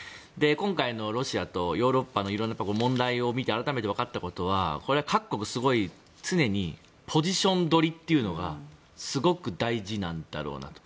今回のロシアとヨーロッパのいろんな問題を見て改めて分かったことはこれは各国常にポジション取りというのがすごく大事なんだろうなと。